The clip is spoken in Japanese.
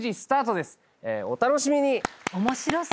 お楽しみに。